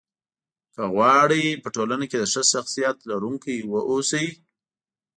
که غواړئ! په ټولنه کې د ښه شخصيت لرونکي واوسی